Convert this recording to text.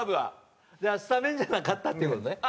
じゃあスタメンじゃなかったっていう事ね？